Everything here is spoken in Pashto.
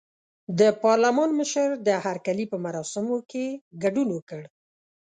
د پارلمان مشر د هرکلي په مراسمو کې ګډون وکړ.